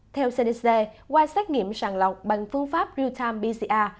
theo cdc qua xét nghiệm sàn lọc bằng phương pháp real time pcr